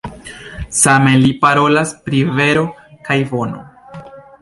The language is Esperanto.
Same li parolas pri vero kaj bono.